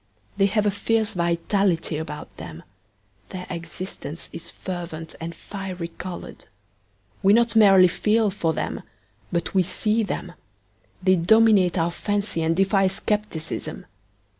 They have a fierce vitality about them: their existence is fervent and fiery coloured; we not merely feel for them but we see them they dominate our fancy and defy scepticism.